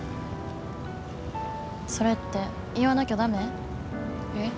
それって言わなきゃダメ？え？